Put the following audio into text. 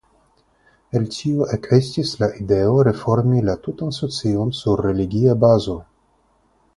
El tio ekestis la ideo reformi la tutan socion sur religia bazo.